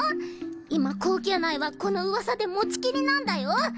今後宮内はこの噂で持ち切りなんだよ！